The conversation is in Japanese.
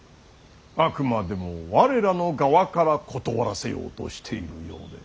あくまでも我らの側から断らせようとしているようで。